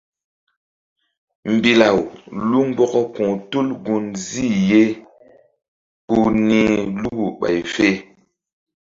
Mbilaw lu mgbɔkɔ ku̧h tul gunzih ye ku nih Luku ɓay fe.